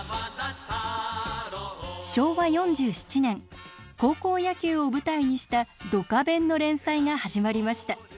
昭和４７年高校野球を舞台にした「ドカベン」の連載が始まりました。